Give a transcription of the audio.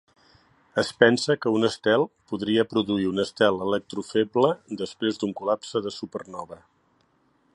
Es pensa que un estel podria produir un estel electrofeble després d'un col·lapse de supernova.